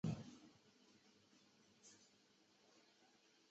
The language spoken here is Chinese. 本站现由济南铁路局管辖。